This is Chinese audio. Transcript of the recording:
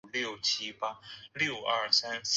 不再保留国家安全生产监督管理总局。